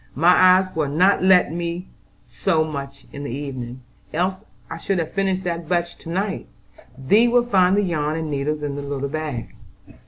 My eyes will not let me sew much in the evening, else I should have finished that batch to night. Thee will find the yarn and needles in the little bag."